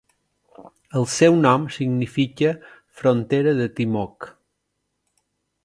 El seu nom significa "frontera de Timok".